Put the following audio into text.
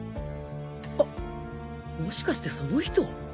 あっもしかしてその人！？